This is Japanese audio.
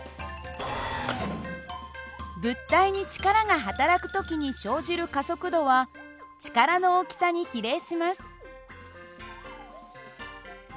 物体に力が働く時に生じる加速度は力の大きさに比例します。